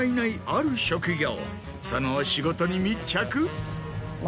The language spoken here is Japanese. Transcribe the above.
そのお仕事に密着。